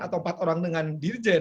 atau empat orang dengan dirjen